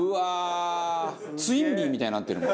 『ツインビー』みたいになってるもん。